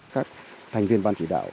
các thành viên ban chỉ đạo